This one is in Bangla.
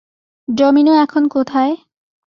ডমিনো এখন কোথায়?